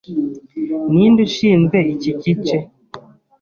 Ninde ushinzwe iki gice?